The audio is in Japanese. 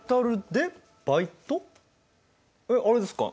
あれですか？